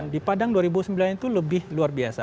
di padang dua ribu sembilan itu lebih luar biasa